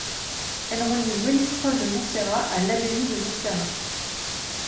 Elle relie Monistrol de Montserrat à l'Abbaye de Montserrat.